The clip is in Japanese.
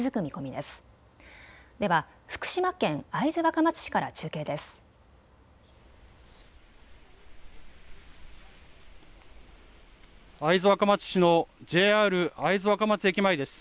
では福島県会津若松市から中継です。